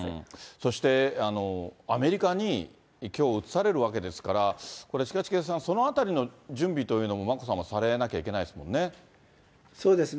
そして、アメリカに居を移されるわけですから、近重さん、そのあたりの準備というのも眞子さま、されなきゃいけないですもそうですね。